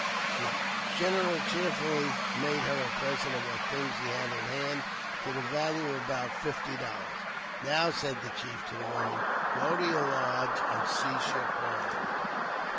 The general cheerfully made her a present of what things he had at hand, to the value of about fifty dollars. " Now," said the chief to the woman, " go to your lodge and cease your crying."